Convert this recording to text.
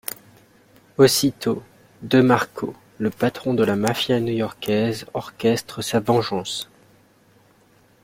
Aussitôt, De Marco, le patron de la mafia new-yorkaise, orchestre sa vengeance.